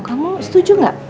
kamu setuju gak